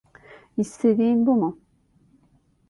İstediğin bu mu?